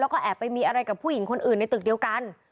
แล้วก็แอบไปมีอะไรกับผู้หญิงคนอื่นในตึกเดียวกัน